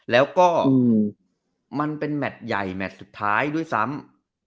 แล้วก็มันเป็นแมทใหญ่แมทสุดท้ายด้วยซ้ำ